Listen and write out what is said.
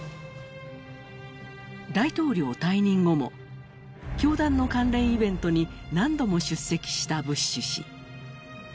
大統領退任後も教団の関連イベントに何度も出席したブッシュ氏。